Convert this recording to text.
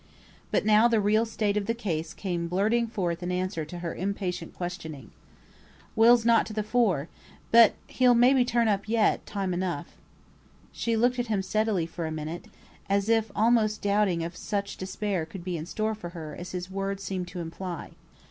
But now the real state of the case came blurting forth in answer to her impatient questioning. "Will's not to the fore. But he'll may be turn up yet, time enough." She looked at him steadily for a minute, as if almost doubting if such despair could be in store for her as his words seemed to imply.